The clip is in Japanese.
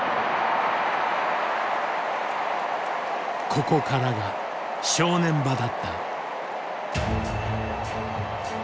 ここからが正念場だった。